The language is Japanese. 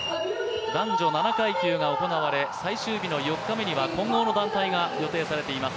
男女７階級が行われ、最終日の４日目には混合の団体が予定されています。